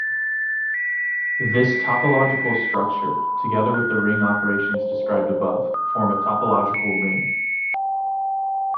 This topological structure, together with the ring operations described above, form a topological ring.